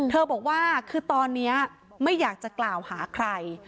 บอกว่าคือตอนนี้ไม่อยากจะกล่าวหาใคร